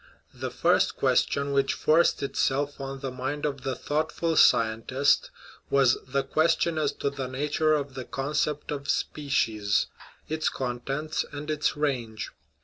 The first question which forced itself on the mind of the thoughtful sci entist was the question as to the nature of the concept of species, its contents, and its range.